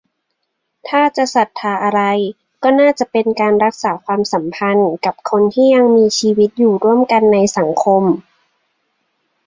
ถ้าจะศรัทธาอะไร ก็น่าจะเป็น การรักษาความสัมพันธ์กับคนที่ยังมีชีวิตอยู่ร่วมกันในสังคม